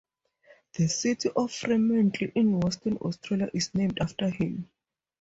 The city of Fremantle in Western Australia is named after him.